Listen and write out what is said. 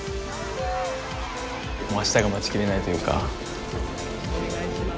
明日が待ちきれないというか。